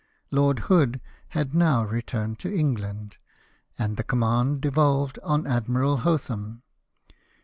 Lord Hood had now returned to England; and the command devolved on Admiral Hotham.